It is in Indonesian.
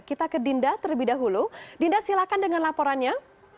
kita ke dinda terlebih dahulu dinda silahkan dengan laporannya